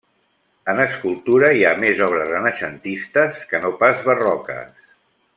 En escultura hi ha més obres renaixentistes que no pas barroques.